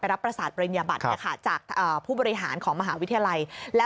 รับประสาทปริญญาบัตรจากผู้บริหารของมหาวิทยาลัย